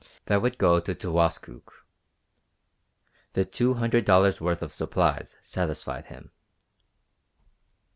That would go to Towaskook. The two hundred dollars' worth of supplies satisfied him.